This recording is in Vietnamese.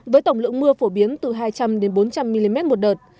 với tổng lượng mưa phổ biến từ hai trăm linh bốn trăm linh mm một đợt